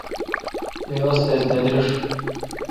می استیز نہ دریݭ۔